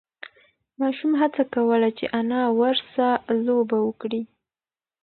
ماشوم هڅه کوله چې انا ورسه لوبه وکړي.